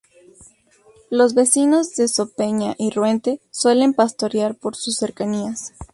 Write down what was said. Los vecinos de Sopeña y Ruente suelen pastorear por sus cercanías.